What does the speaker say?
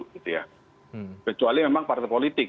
kecuali memang partai politik